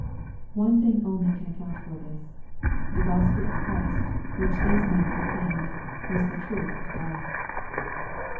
One thing only can account for this. The Gospel of Christ, which these men proclaimed, was the truth of G^d.